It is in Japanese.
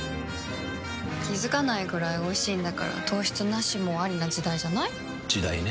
気付かないくらいおいしいんだから糖質ナシもアリな時代じゃない？時代ね。